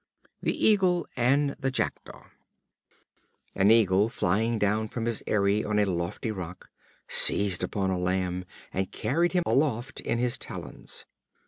The Eagle and the Jackdaw. An Eagle, flying down from his eyrie on a lofty rock, seized upon a lamb, and carried him aloft in his talons.